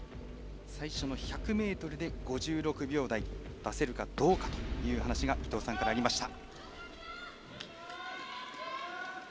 最初の１００ｍで５６秒台、出せるかどうかという話が伊藤さんからありました。